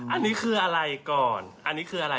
อันนี้คืออะไรก่อนอันนี้คืออะไร